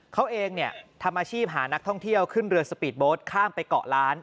เขาเองทำอาชีพหานักท่องเที่ยวขึ้นเรือสปีดโบสต์ข้ามไปเกาะล้าน